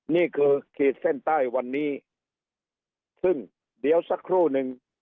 นี่คือขีดเส้นใต้วันนี้ซึ่งเดี๋ยวสักครู่หนึ่ง